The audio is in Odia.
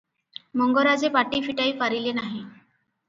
ମଙ୍ଗରାଜେ ପାଟି ଫିଟାଇ ପାରିଲେ ନାହିଁ ।